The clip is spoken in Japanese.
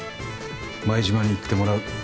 舞島に行ってもらう。